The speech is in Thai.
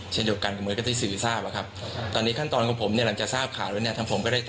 จะมีสองเป็นสวดแล้วเนี่ย